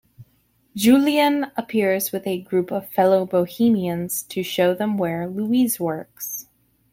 Julien appears with a group of fellow bohemians to show them where Louise works.